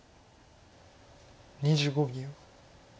２５秒。